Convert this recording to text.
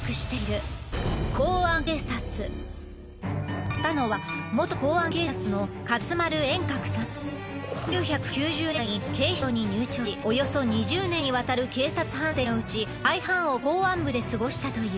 語るのは１９９０年代に警視庁に入庁しおよそ２０年にわたる警察半生のうち大半を公安部で過ごしたという。